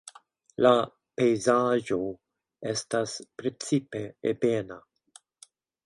La pejzaĝo estas precipe ebena.